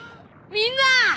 「みんな！」